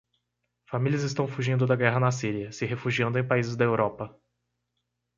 Famílias estão fugindo da guerra na Síria, se refugiando em países da Europa